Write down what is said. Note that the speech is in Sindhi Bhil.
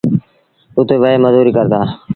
اُت وهي مزوريٚ ڪرتآ۔